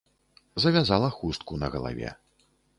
Завязала хустку на галаве.